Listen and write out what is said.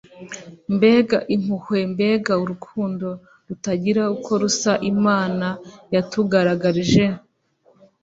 mbega impuhwe, mbega urukundo rutagira uko rusa imana yatugaragarije,